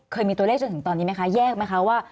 เคยมีตัวเลขจนถึงตอนนี้ไหมคะแยกไหมคะว่า